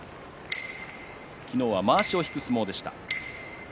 昨日は、まわしを引く相撲でした。